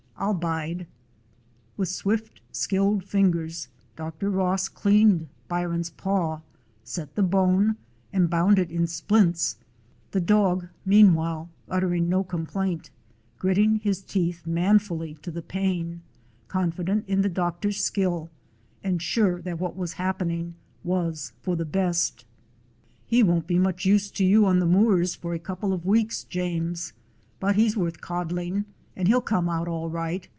I 'll bide." With swift, skilled fingers Dr. Ross cleaned Byron's paw, set the bone, and bound it in splints; the dog, meanwhile, uttering no com plaint, gritting his teeth manfully to the pain, confident in the doctor's skill, and sure that what was happening was for the best. 128 A DOG OF SCOTLAND "He won't be much use to you on the moors for a couple of weeks, James. But he 's worth coddling, and he 'll come out all right.